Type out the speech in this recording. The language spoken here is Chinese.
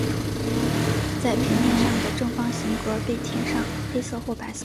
在平面上的正方形格被填上黑色或白色。